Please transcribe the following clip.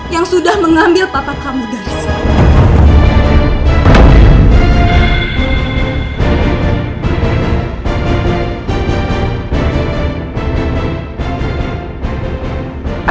yang sudah mengambil papa kamu dari sana